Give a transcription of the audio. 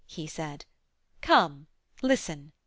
he said. 'Come, listen!